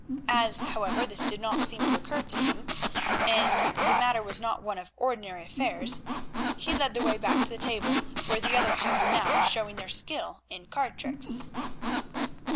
As, however, this did not seem to occur to him, and the matter was not one of ordinary affairs, he led the way back to the table, where the other two were now showing their skill in card tricks.